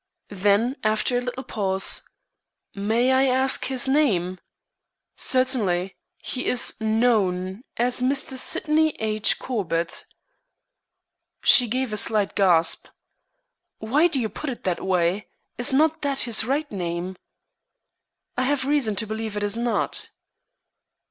Then, after a little pause: "May I ask his name?" "Certainly. He is known as Mr. Sydney H. Corbett." She gave a slight gasp. "Why do you put it in that way? Is not that his right name?" "I have reason to believe it is not."